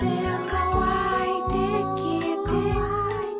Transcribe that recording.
「かわいてきえて」